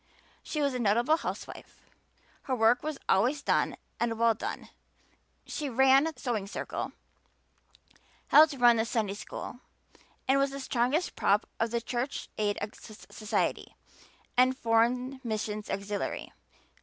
She was a notable housewife; her work was always done and well done; she "ran" the Sewing Circle, helped run the Sunday school, and was the strongest prop of the Church Aid Society and Foreign Missions Auxiliary.